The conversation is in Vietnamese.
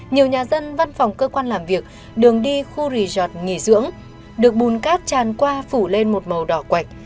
nhiều nhà dân văn phòng cơ quan làm việc đường đi khu resort nghỉ dưỡng được bùn cát tràn qua phủ lên một màu đỏ quạch